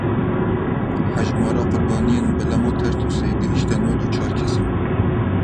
Hejmara qurbaniyên belema Tertûsê gehişte nod û çar kesan.